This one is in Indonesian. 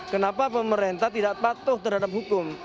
kenapa pemerintah tidak patuh terhadap hukum